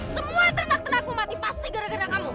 semua ternak ternakmu mati pasti gara gara kamu